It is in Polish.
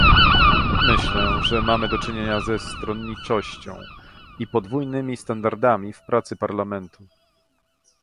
Myślę, że mamy do czynienia ze stronniczością i podwójnymi standardami w pracy Parlamentu